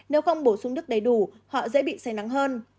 nếu không bổ sung đức đầy đủ họ dễ bị say nắng hơn